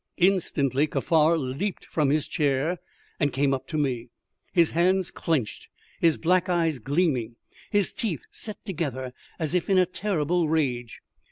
Instantly Kaffar leapt from his chair, and came up to me, his hands clenched, his black eyes gleaming, his teeth set together as if in a terrible rage.